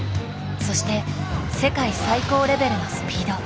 そして世界最高レベルのスピード。